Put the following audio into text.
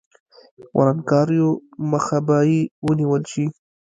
ورانکاریو مخه به یې ونیول شي.